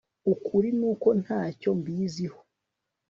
ukuri nuko ntacyo mbiziho